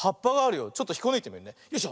よいしょ。